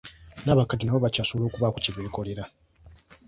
N'abakadde nabo bakyasobola okubaako kye beekolera.